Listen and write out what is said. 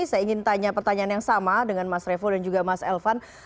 saya ingin tanya pertanyaan yang sama dengan mas revo dan juga mas elvan